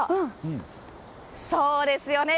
そうですよね